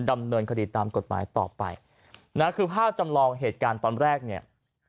ดำเนินคดีตามกฎหมายต่อไปนะคือภาพจำลองเหตุการณ์ตอนแรกเนี่ย